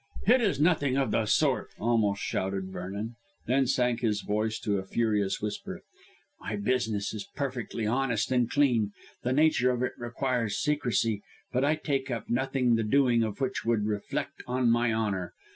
"It is nothing of the sort," almost shouted Vernon; then sank his voice to a furious whisper; "my business is perfectly honest and clean. The nature of it requires secrecy, but I take up nothing the doing of which would reflect on my honour.